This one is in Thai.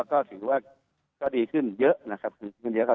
ก็ถือว่าก็ดีขึ้นเยอะนะครับ